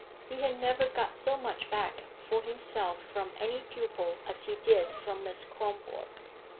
He had never got so much back for himself from any pupil as he did from Miss Kronborg.